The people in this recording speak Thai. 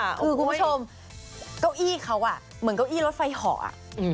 คุณผู้ชมเก้าอี้เค้าเหมือนเก้าอี้รถไฟเหาะ